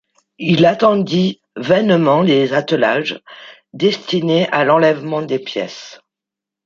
Il attendit vainement les attelages, destinés à l’enlèvement des pièces.